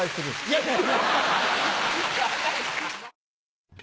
いやいや。